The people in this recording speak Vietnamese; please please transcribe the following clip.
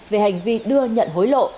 về hành vi đưa nhận hối lộ